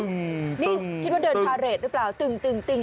นี่คิดว่าเดินพาเรทหรือเปล่าตึง